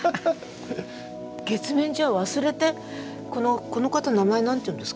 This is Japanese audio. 月面じゃあ忘れてこの方名前何ていうんですか？